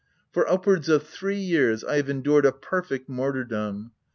For 360 THE TENANT upwards of three years, I have endured a perfect martyrdom.